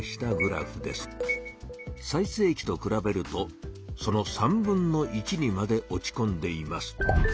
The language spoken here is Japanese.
最せい期とくらべるとその３分の１にまで落ちこんでいます。